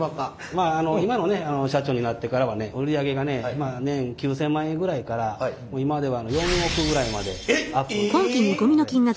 まあ今のね社長になってからはね売り上げがね年９，０００万円ぐらいから今では４億ぐらいまでアップしましたので。